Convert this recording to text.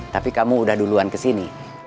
tapi kamu udah duluan kesini